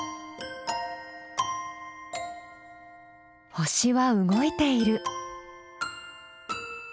星は動いている。